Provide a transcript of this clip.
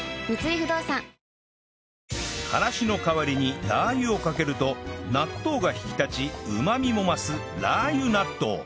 からしの代わりにラー油をかけると納豆が引き立ちうまみも増すラー油納豆